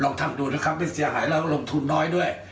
ลองทำดูนะครับที่เสียหายทุนน้อยด้วย